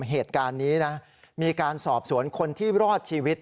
เหตุการณ์นี้นะมีการสอบสวนคนที่รอดชีวิต